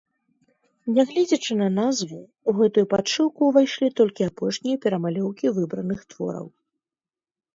Нягледзячы на назву, у гэтую падшыўку ўвайшлі толькі апошнія перамалёўкі выбраных твораў.